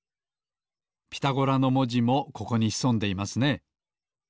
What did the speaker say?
「ピタゴラ」のもじもここにひそんでいますね。